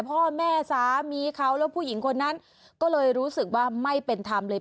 พ่อแม่สามีเขาแล้วผู้หญิงคนนั้นก็เลยรู้สึกว่าไม่เป็นธรรมเลย